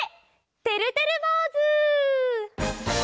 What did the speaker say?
てるてるぼうず！